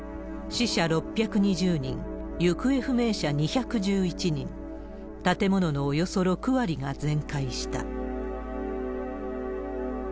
死者６２０人、行方不明者２１１人、建物のおよそ６割が全壊した。